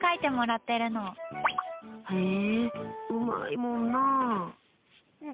へえうまいもんな。